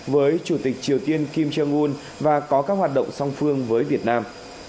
với chủ tịch triều tiên kim jong un và có các hoạt động song phương với việt nam